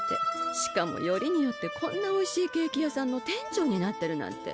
しかもよりによってこんなおいしいケーキ屋さんの店長になってるなんて。